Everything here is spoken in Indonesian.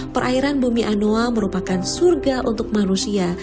perairan bumi anoa merupakan surga untuk manusia